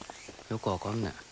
よく分かんねえ。